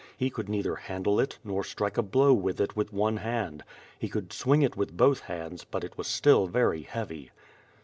He could neither handle it, nor strike a blow with it with one hand. He could swing it with both hands, but it was still very heavy.